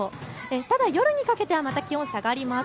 ただ夜にかけてはまた気温下がります。